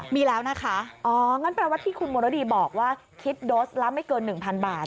มีแล้วนะคะอ๋องั้นแปลว่าที่คุณมรดีบอกว่าคิดโดสละไม่เกิน๑๐๐บาท